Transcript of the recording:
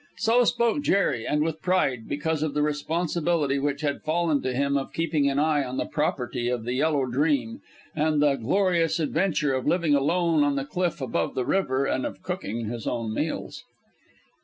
So spoke Jerry, and with pride, because of the responsibility which had fallen to him of keeping an eye on the property of the Yellow Dream, and the glorious adventure of living alone on the cliff above the river and of cooking his own meals.